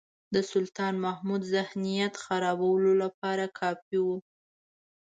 د سلطان محمود ذهنیت خرابولو لپاره کافي وو.